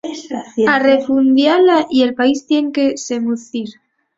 Arrefúndiala y el país tien que s'esmucir.